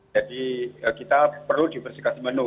jadi kita perlu diversifikasi menu